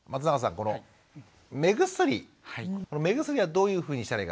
この目薬目薬はどういうふうにしたらいいか。